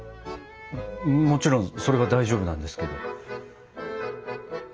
もちろんそれは大丈夫なんですけど。